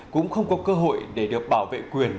cũng không có cơ hội để được bảo vệ quyền